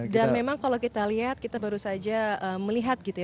dan memang kalo kita lihat kita baru saja melihat gitu ya